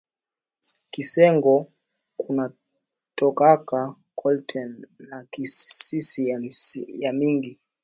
Kisengo kuna tokaka coltan na kasis ya mingi